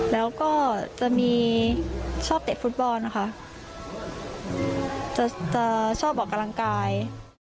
แล้วก็จะมีชอบเตะฟุตบอลนะคะจะชอบออกกำลังกาย